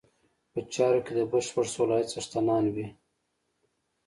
په چارو کې د بشپړ صلاحیت څښتنان وي.